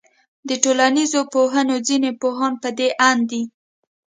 د ټولنيزو پوهنو ځيني پوهان پدې آند دي